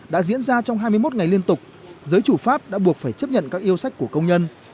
đã diễn ra trong hai mươi một ngày liên tục giới chủ pháp đã buộc phải chấp nhận các yêu sách của công nhân